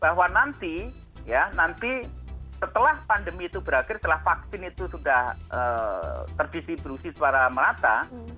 bahwa nanti ya nanti setelah pandemi itu berakhir setelah vaksin itu sudah terdistribusi secara merata